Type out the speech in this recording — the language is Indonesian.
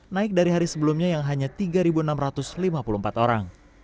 naik dari hari sebelumnya yang hanya tiga enam ratus lima puluh empat orang